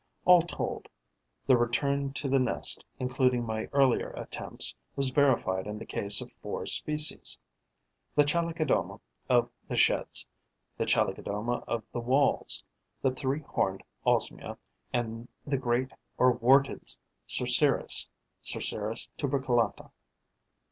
All told, the return to the nest, including my earlier attempts, was verified in the case of four species: the Chalicodoma of the Sheds, the Chalicodoma of the Walls, the Three horned Osmia and the Great or Warted Cerceris (Cerceris tuberculata).